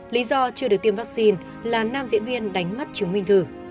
lý do chưa được tiêm vaccine là nam diễn viên đánh mất chứng minh thử